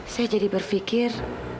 saya jadi berpikir